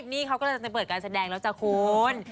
นี่เขากำลังจะเปิดการแสดงแล้วจ้ะคุณ